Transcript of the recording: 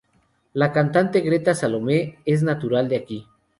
La cantante Greta Salome es natural de aquí.